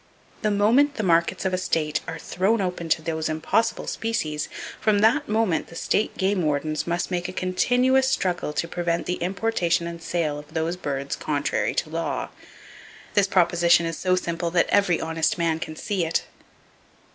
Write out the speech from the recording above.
The moment the markets of a state are thrown open to these impossible species, from that moment the state game wardens must make a continuous struggle to prevent the importation and sale of those birds contrary to law. This proposition is so simple that every honest man can see it.